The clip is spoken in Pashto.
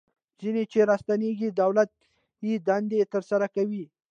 ځینې چې راستنیږي دولتي دندې ترسره کوي.